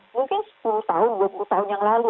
mungkin sepuluh tahun dua puluh tahun yang lalu